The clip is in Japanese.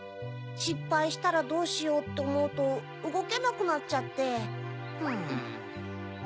しっぱいしたらどうしようっておもうとうごけなくなっちゃって。